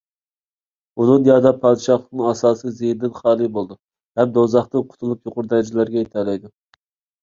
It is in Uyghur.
بۇ دۇنيادا پادىشاھلىقنىڭ ئاساسىي زىيىنىدىن خالىي بولىدۇ ھەم دوزاختىن قۇتۇلۇپ يۇقىرى دەرىجىلەرگە يېتەلەيدۇ.